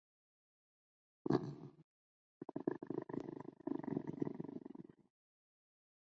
布尔拉斯蒂克。